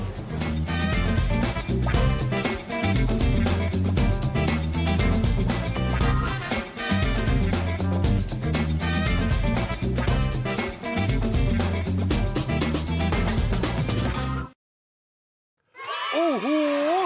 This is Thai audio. แข่งสีโลหอนิกาค่ะรูปออฟชมให้ได้